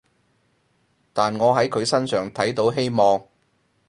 但我喺佢身上睇到希望